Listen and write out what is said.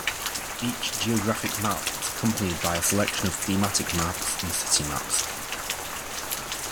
Each geographic map is accompanied by a selection of thematic maps and city maps.